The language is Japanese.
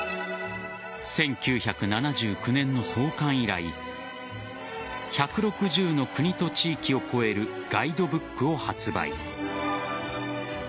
１９７９年の創刊以来１６０の国と地域を超えるガイドブックを発売。